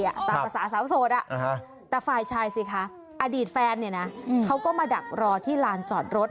ตามภาษาสาวโสดแต่ฝ่ายชายสิคะอดีตแฟนเนี่ยนะเขาก็มาดักรอที่ลานจอดรถ